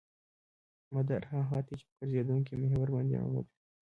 مدار هغه خط دی چې په ګرځېدونکي محور باندې عمود وي